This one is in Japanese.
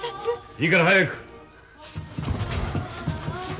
いいから早く！